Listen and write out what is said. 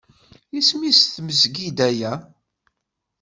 Isem-is tmezgida-a.